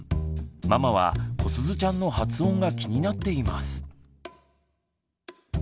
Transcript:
ママはこすずちゃんの発音が気になっています。